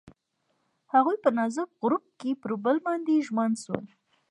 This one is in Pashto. هغوی په نازک غروب کې پر بل باندې ژمن شول.